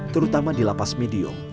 terutama di lapas medium